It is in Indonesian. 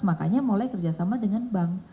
makanya mulai kerjasama dengan bank